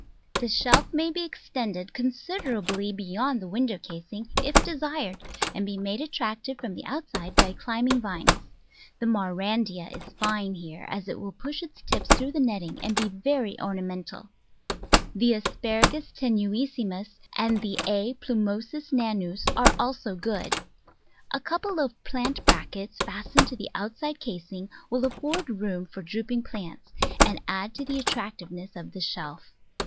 The shelf may ex* tend considerably beyond the window casing if de sired, and be made attractive from the outside by climbing vines. The Maurandya is fine here, as it will push its tips through the netting, and be very orna mental; the Asparagus tenuissimus and A. plumosus nanus are also good. A couple of plant brackets fastened to the outside casing will afford room for drooping plants, and add to the attractiveness of the shelf.